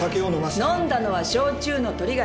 飲んだのは焼酎の鳥飼。